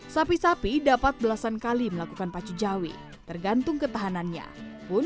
sapi sapi dapat belasan kali melakukan pacu jawi tergantung ketahanannya pun